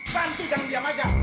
bantu jangan diam aja